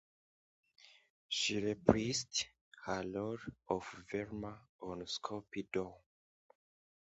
She reprised her role of Velma on Scooby-Doo!